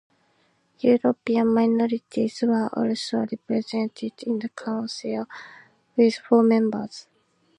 European minorities were also represented in the council with four members.